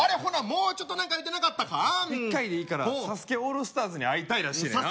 もうちょっとなんか言うてなかったか一回でいいからＳＡＳＵＫＥオールスターズに会いたいらしいねんな